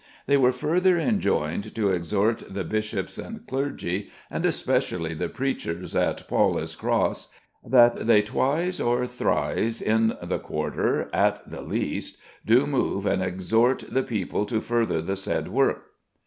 They were further enjoined to exhort the bishop and clergy, and especially the preachers at "Pawles Crosse": "That they twise or thrise in the quarter at the leaste, do move and exhort the people to further the said work."